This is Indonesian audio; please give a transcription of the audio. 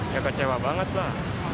ya kecewa banget pak